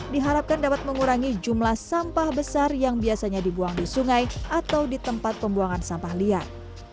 diharapkan dapat mengurangi jumlah sampah besar yang biasanya dibuang di sungai atau di tempat pembuangan sampah liar